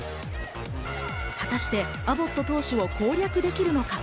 果たしてアボット投手を攻略できるのか。